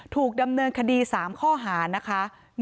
ถูกดำเนินคดี๓ข้อหานะคะ